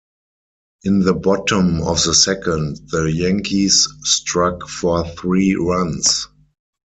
In the bottom of the second, the Yankees struck for three runs.